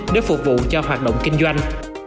để phục vụ cho hoạt động kinh doanh